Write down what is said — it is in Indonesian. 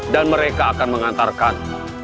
dan mereka akan mengantarkan